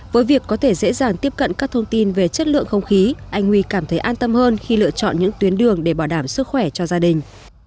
với việc có thể dễ dàng tiếp cận các thông tin về chất lượng không khí anh huy cảm thấy an tâm hơn khi lựa chọn những tuyến đường để bảo đảm sức khỏe cho gia đình